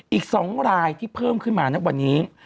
อีก๒รายที่เพิ่มขึ้นมาณวันนี้